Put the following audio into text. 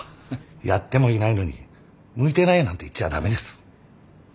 やってもいないのに向いてないなんて言っちゃ駄目です。